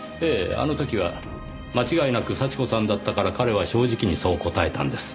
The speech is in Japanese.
あの時は間違いなく幸子さんだったから彼は正直にそう答えたんです。